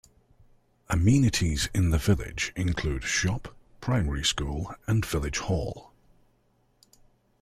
Amenities in the village include a shop, primary school and village hall.